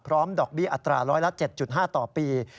พร้อมดอกบี้อัตราร้อยละ๗๕ต่อปี